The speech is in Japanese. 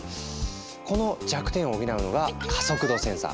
この弱点を補うのが加速度センサー。